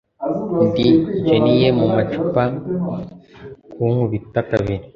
ndi genie mumacupa, kunkubita kabiri